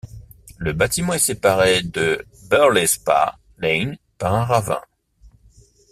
Le bâtiment est séparé de Birley Spa Lane par un ravin.